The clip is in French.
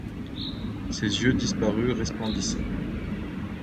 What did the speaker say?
Ces yeux disparus resplendissaient.